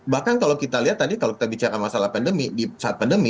bahkan kalau kita lihat tadi kalau kita bicara masalah pandemi di saat pandemi